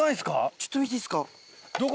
ちょっと見ていいですか？